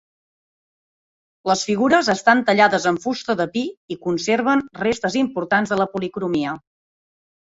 Les figures estan tallades en fusta de pi i conserven restes importants de la policromia.